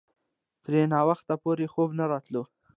ترې ناوخته پورې خوب نه راتلو.